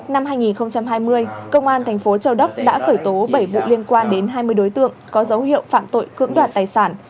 năm hai nghìn hai mươi công an thành phố châu đốc đã khởi tố bảy vụ liên quan đến hai mươi đối tượng có dấu hiệu phạm tội cưỡng đoạt tài sản